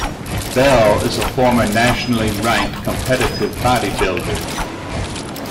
Bell is a former nationally ranked competitive bodybuilder.